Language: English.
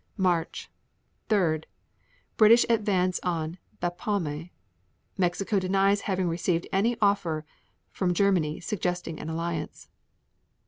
March 3. British advance on Bapaume. 3. Mexico denies having received an offer from Germany suggesting an alliance.